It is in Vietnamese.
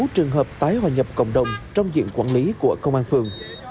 trường hợp tái hòa nhập cộng đồng trong diện quản lý của công an phường